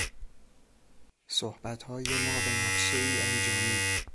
صحبتهای ما به نقشهای انجامید.